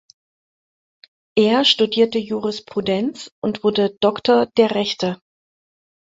Er studierte Jurisprudenz und wurde Doktor der Rechte.